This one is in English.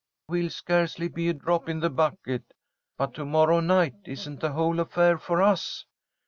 "We'll scarcely be a drop in the bucket. But to morrow night, isn't the whole affair for us?